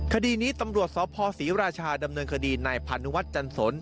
คดีนี้ตำรวจสศศรีราชาดำเนินคดีในพันธุ์วัดจันทรส